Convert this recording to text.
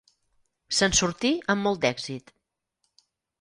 Se'n sortí amb molt d'èxit.